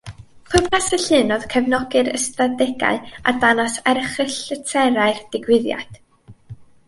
Pwrpas y llun oedd cefnogi'r ystadegau a dangos erchyllterau'r digwyddiad